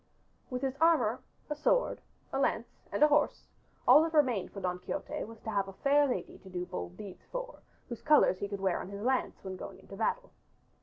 With his armor, a sword, a lance and a horse, all that remained for Don Quixote was to have a fair lady to do bold deeds for, whose colors he could wear on his lance when going into battle.